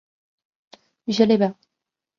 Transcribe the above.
腧穴列表